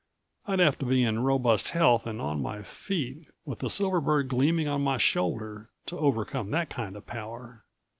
I'd have to be in robust health and on my feet, with the silver bird gleaming on my shoulder, to overcome that kind of power.